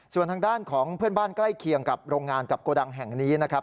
ส่วนทางด้านของเพื่อนบ้านใกล้เคียงกับโรงงานกับโกดังแห่งนี้นะครับ